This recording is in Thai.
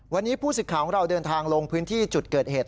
วันนี้ผู้สิทธิ์ของเราเดินทางลงพื้นที่จุดเกิดเหตุ